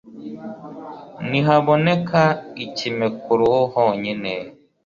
nihaboneka ikime ku ruhu honyine